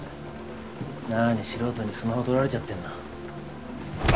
何素人にスマホ取られちゃってんの。